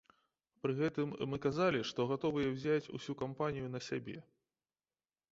Пры гэтым мы казалі, што гатовыя ўзяць усю кампанію на сябе.